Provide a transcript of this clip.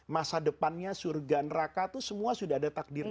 masa depannya surga neraka itu semua sudah ada takdirnya